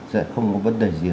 sẽ không có vấn đề gì